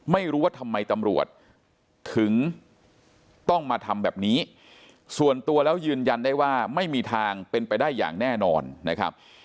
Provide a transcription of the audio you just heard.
ไม่รู้ว่าทำไมตำรวจถึงต้องมาทำแบบนี้ส่วนตัวแล้วยืนยันได้ว่าไม่มีทางเป็นไปได้อย่างแน่นอนนะครับ